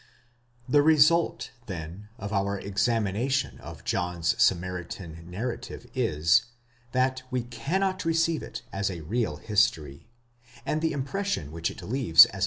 ! The result, then, of our examination of John's Samaritan narrative is, that. we cannot receive it as a real history: and the impression which it leaves as.